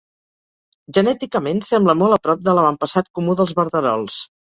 Genèticament, sembla molt a prop de l'avantpassat comú dels verderols.